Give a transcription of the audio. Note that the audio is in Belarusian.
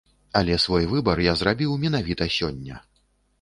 Але свой выбар я зрабіў менавіта сёння.